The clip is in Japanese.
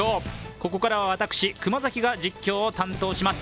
ここからは私、熊崎が実況を担当します。